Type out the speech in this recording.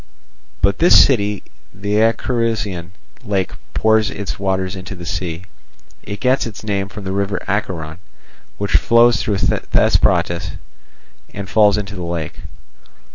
By this city the Acherusian lake pours its waters into the sea. It gets its name from the river Acheron, which flows through Thesprotis and falls into the lake.